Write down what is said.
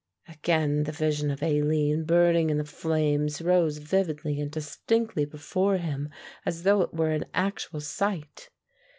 Again the vision of Aline burning in the flames rose vividly and distinctly before him, as though it were an actual sight.